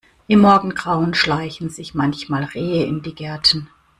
Im Morgengrauen schleichen sich manchmal Rehe in die Gärten.